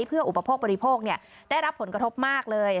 เพื่ออุปโภคบริโภคได้รับผลกระทบมากเลย